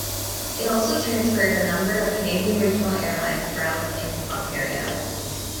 It also transferred a number of Canadian Regional Airlines routes in Ontario.